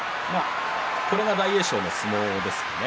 これが大栄翔の相撲ですかね。